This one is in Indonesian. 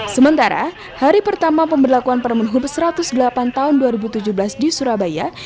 sementara hari pertama pemberlakuan permen hub satu ratus delapan tahun dua ribu tujuh belas di surabaya